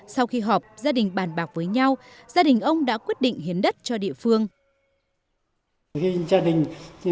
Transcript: sau khi họp gia đình bàn bạc với nhau gia đình ông đã quyết định hiến đất cho địa phương